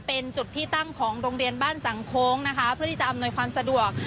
เป็นจุดที่ตั้งของโรงเรียนบ้านสังโค้งนะคะเพื่อที่จะอำนวยความสะดวก